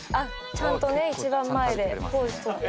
ちゃんとね一番前でポーズとって。